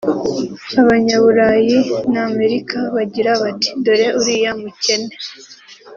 abanyaBurayi na Amerika bagira bati ’dore uriya mukene’